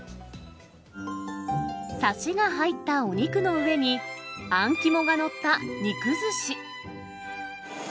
さしが入ったお肉の上に、あん肝が載った肉ずし。